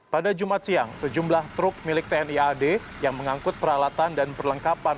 pada jumat siang sejumlah truk milik tni ad yang mengangkut peralatan dan perlengkapan